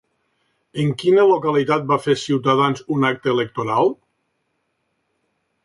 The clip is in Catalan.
En quina localitat va fer Ciutadans un acte electoral?